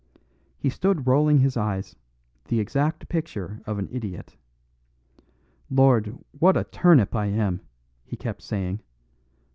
He stood rolling his eyes, the exact picture of an idiot. "Lord, what a turnip I am!" he kept saying.